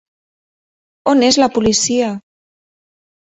On és la policia?